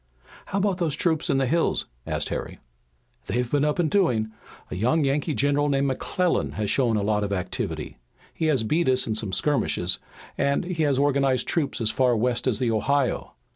"How about those troops in the hills?" asked Harry. "They've been up and doing. A young Yankee general named McClellan has shown a lot of activity. He has beat us in some skirmishes and he has organized troops as far west as the Ohio.